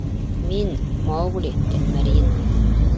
— Мин — Маугли-Тәлмәрйен.